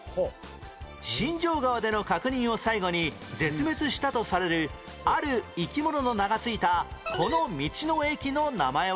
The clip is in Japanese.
新荘川での確認を最後に絶滅したとされるある生き物の名が付いたこの道の駅の名前は？